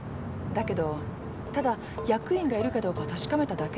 だけどただ役員がいるかどうかを確かめただけだって。